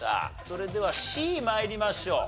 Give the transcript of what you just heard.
それではＣ参りましょう。